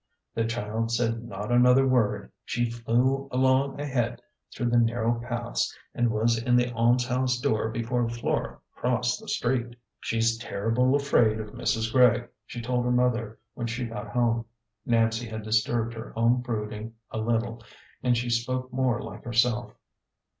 The child said not another word. She flew along ahead through the narrow paths, and was in the almshouse door before Flora crossed the street. " She's terrible afraid of Mrs. Gregg," she told her mother when she got home. Nancy had disturbed her own brood ing a little, and she spoke more like herself.